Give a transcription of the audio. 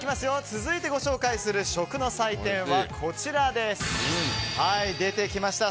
続いてご紹介する食の祭典は出てきました